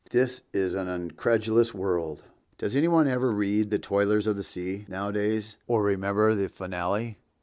This is an incredulous world. Does anyone ever read "The Toilers of the Sea" nowadays, or remember the finale?